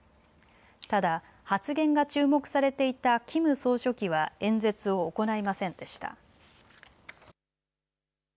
ただ発言が注目されていたキム総書記は演説を行いませんでした。